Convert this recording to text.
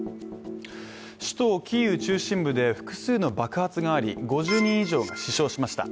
首都キーウ中心部で複数の爆発があり５０人以上が死傷しました。